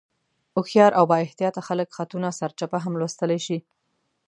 هوښیار او بااحتیاطه خلک خطونه سرچپه هم لوستلی شي.